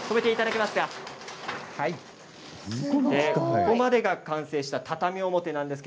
ここまでが完成した畳表です。